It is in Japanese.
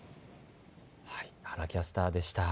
原キャスターでした。